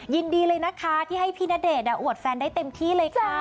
ยินดีเลยนะคะที่ให้พี่ณเดชน์อวดแฟนได้เต็มที่เลยจ้า